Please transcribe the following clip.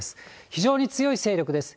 非常に強い勢力です。